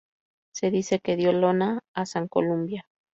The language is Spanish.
Se dice que dio Iona a san Columba.